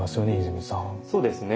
そうですね。